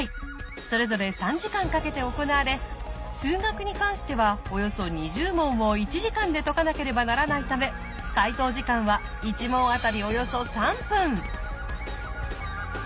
それぞれ３時間かけて行われ数学に関してはおよそ２０問を１時間で解かなければならないため解答時間は１問あたりおよそ３分！